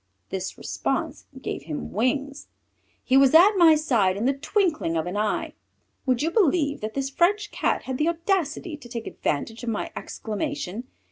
This response gave him wings; he was at my side in the twinkling of an eye. Would you believe that this French Cat had the audacity to take advantage of my exclamation.